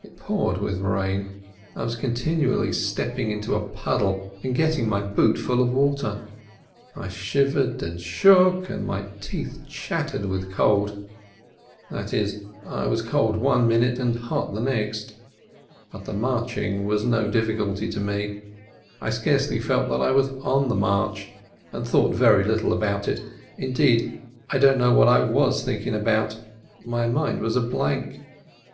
It poured with rain. I was continually stepping into a puddle, and getting my boot full of water. I shivered and shook, and my teeth chattered with cold. That is, I was cold one minute and hot the next. But the marching was no difficulty to me, I scarcely felt that I was on the march, and thought very little about it. Indeed, I don't know what I was thinking about, my mind was a blank.